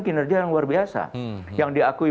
kinerja yang luar biasa yang diakui